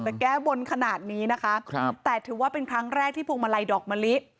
แก้บนขนาดนี้นะคะครับแต่ถือว่าเป็นครั้งแรกที่พวงมาลัยดอกมะลิ